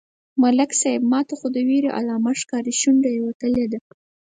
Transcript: _ملک صيب! ماته خو د وېرې علامه ښکاري، شونډه يې وتلې ده.